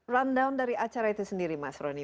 run down dari acara itu sendiri mas ronny